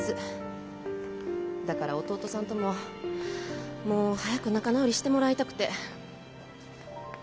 だから弟さんとももう早く仲直りしてもらいたくて。